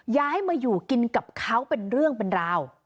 ย้ายมาอยู่กินกับเขาเป็นเรื่องเป็นราว